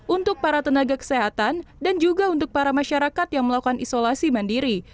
untuk para tenaga kesehatan dan juga untuk para masyarakat yang melakukan isolasi mandiri